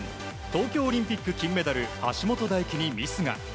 東京オリンピック金メダル橋本大輝にミスが。